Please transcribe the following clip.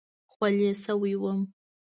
خولې شوی وم.